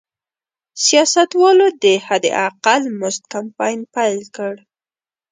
سیاستوالو د حداقل مزد کمپاین پیل کړ.